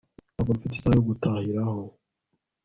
ntabwo mfite isaha yo gutahiraho